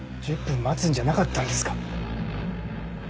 １０分待つんじゃなかったんですか？